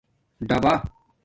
ڈبا